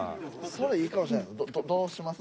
それいいかもしれないですね。